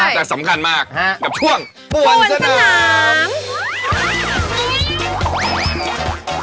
ใช่แต่สำคัญมากฮะกับช่วงปวนสนาม